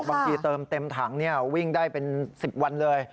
บางทีเติมเต็มถังวิ่งได้เป็น๑๐วันเลย